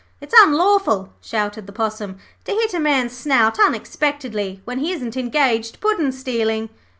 'It's unlawful,' shouted the Possum, 'to hit a man's snout unexpectedly when he isn't engaged puddin' stealing.'